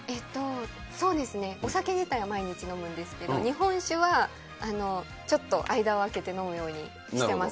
そうですね、お酒自体は毎日飲むんですけど、日本酒はちょっと間を空けて飲むようにしてます。